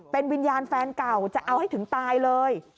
เป็นวิญญาณแฟนเก่าจะเอาให้ถึงตายเลย